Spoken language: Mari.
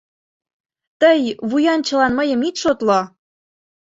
Тый вуянчылан мыйым ит шотло